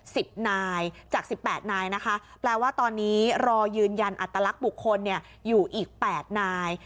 สิบนายจากสิบแปดนายนะคะแปลว่าตอนนี้รอยืนยันอัตลักษณ์บุคคลเนี่ยอยู่อีกแปดนาย